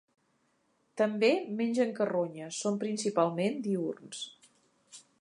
També, mengen carronya, són principalment diürns.